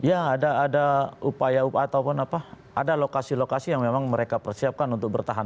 ya ada upaya upaya ataupun apa ada lokasi lokasi yang memang mereka persiapkan untuk bertahan